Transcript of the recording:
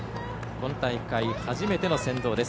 今大会、初めての先導です。